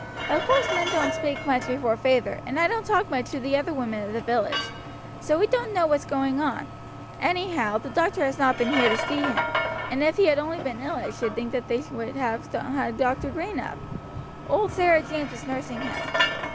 Of course men don't speak much before feyther, and I don't talk much to the other women of the village, so we don't know what's going on; anyhow the doctor has not been here to see him, and if he had been only ill I should think they would have had Dr. Green up. Old Sarah James is nursing him.